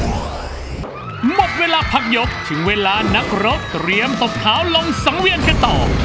หมดเวลาพักยกถึงเวลานักรบเตรียมตบเท้าลงสังเวียนกันต่อ